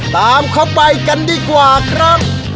ตามเขาไปกันดีกว่าครับ